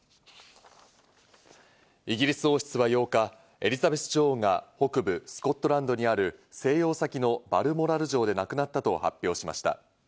イギリス王室は８日、エリザベス女王が北部スコットランドにある静養先のバルモラル城で亡くなったと発表しました。